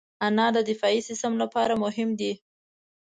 انار د دفاعي سیستم لپاره مهم دی.